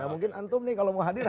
mungkin antum nih kalau mau hadir